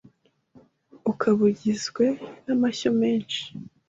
ukaba ugizwe n’amashyo menshi